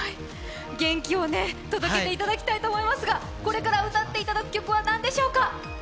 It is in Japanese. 元気を届けていただきたいと思いますが、これから歌っていただく曲は何でしょうか？